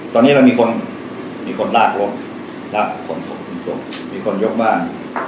ตอนนี้เรามีคนลากรถลากคนส่งส่งมีคนยกบ้าน